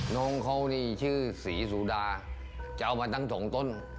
น้องเขานี่ชื่อศรีสุดาจะเอามาทั้งสองต้น